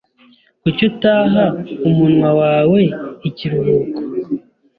Kuki utaha umunwa wawe ikiruhuko?